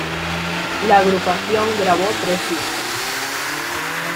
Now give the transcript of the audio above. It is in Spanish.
La agrupación grabó tres discos.